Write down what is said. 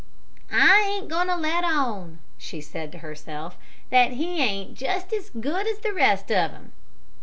"I ain't goin' to let on," she said to herself, "that he ain't just as good as the rest of 'em."